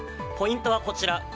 ポイントはこちら。